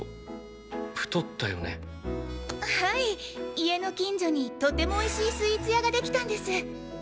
家の近所にとてもおいしいスイーツ屋ができたんです！